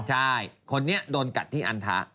ใช่คนนี้โดนกัดที่อันทะ